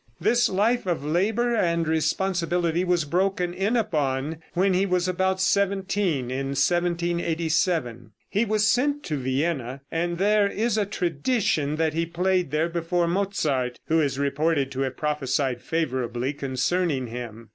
This life of labor and responsibility was broken in upon when he was about seventeen (in 1787). He was sent to Vienna, and there is a tradition that he played there before Mozart, who is reported to have prophesied favorably concerning him.